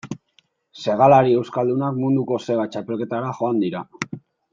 Segalari euskaldunak munduko sega txapelketara joan dira.